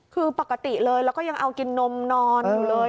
คือปกติเลยแล้วก็ยังเอากินนมนอนอยู่เลย